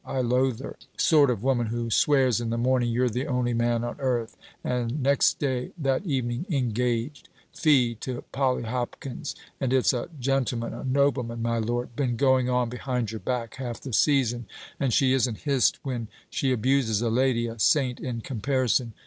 I loathe her. Sort of woman who swears in the morning you're the only man on earth; and next day that evening engaged! fee to Polly Hopkins and it's a gentleman, a nobleman, my lord! been going on behind your back half the season! and she isn't hissed when she abuses a lady, a saint in comparison!